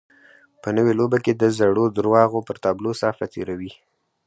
په نوې لوبه کې د زړو درواغو پر تابلو صافه تېروي.